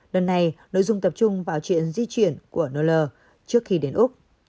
lần này nội dung tập trung vào chuyện di chuyển của neller trước khi đến úc